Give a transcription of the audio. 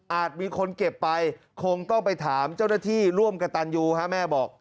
มีคนเก็บไปคงต้องไปถามเจ้าหน้าที่ร่วมกับตันยูฮะแม่บอก